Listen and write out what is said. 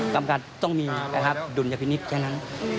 กรรมการต้องมีดุลยภินิษฐ์แค่นั้น